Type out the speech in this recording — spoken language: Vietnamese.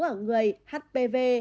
ở người hpv